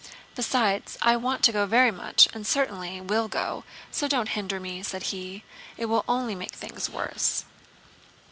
Besides, I want to go very much and certainly will go, so don't hinder me," said he. "It will only make things worse...."